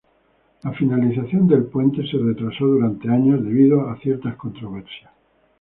La finalización del puente se retrasó durante años debido a ciertas controversias.